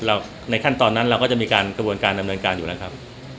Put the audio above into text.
แล้วในขั้นตอนนั้นเราก็จะมีการกระบวนการดำเนินการอยู่แล้วครับ